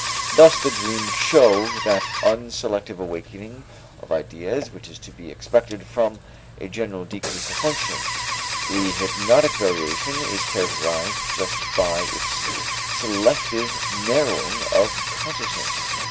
Thus the dreams show that unselective awakening of ideas which is to be expected from a general decrease of functioning. The hypnotic variation is characterized just by its selective narrowing of consciousness.